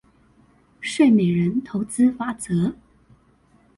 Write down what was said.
睡美人投資法則